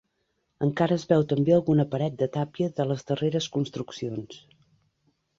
Encara es veu també alguna paret de tàpia de les darreres construccions.